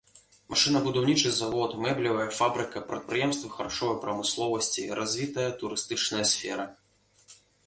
Машынабудаўнічы завод, мэблевая фабрыка, прадпрыемствы харчовай прамысловасці, развітая турыстычная сфера.